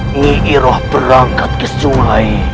ini iroh berangkat ke sungai